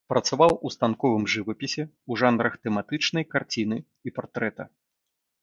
Працаваў у станковым жывапісе ў жанрах тэматычнай карціны і партрэта.